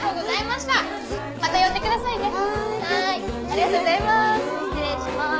ありがとうございます。